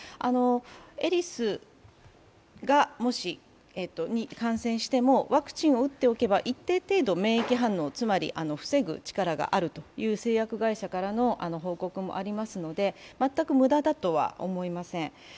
エリスにもし感染しても、ワクチンを打っておけば一定程度免疫反応つまり防ぐ力があるという製薬会社からの報告もありますので全く無駄だとは思いません。